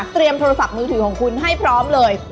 โทรศัพท์มือถือของคุณให้พร้อมเลย